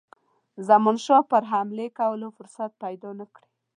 زمانشاه پر حملې کولو فرصت پیدا نه کړي.